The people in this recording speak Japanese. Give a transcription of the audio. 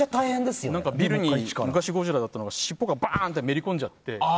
ビルにゴジラのしっぽがバーン！とめり込んじゃって。